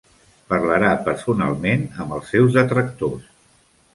Parlarà personalment amb els seus detractors.